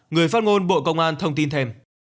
người phát ngôn bộ công an thông tin thêm